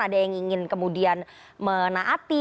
ada yang ingin kemudian menaati